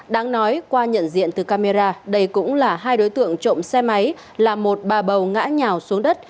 đáng nói qua nhận diện từ camera đây cũng là hai đối tượng trộm xe máy là một bà bầu ngã nhào xuống đất